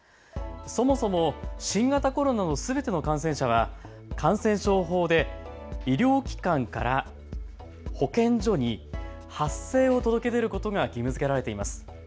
そもそも新型コロナのすべての感染者は感染症法で医療機関から保健所に発生を届け出ることが義務づけられています。